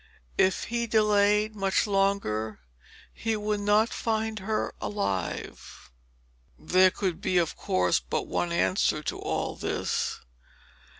If he delayed much longer he would not find her alive. There could be, of course, but one answer to all this.